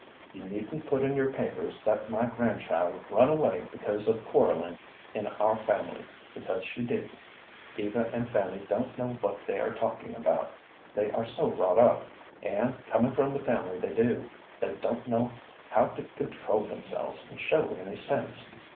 You needn't put in your papers that my grandchild run away because of quarrelling in our family, because she didn't. Eva and Fanny don't know what they are talking about, they are so wrought up; and, coming from the family they do, they don't know how to control themselves and show any sense.